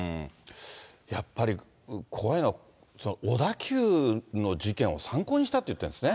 やっぱり、怖いのは、小田急の事件を参考にしたって言ってるんですね。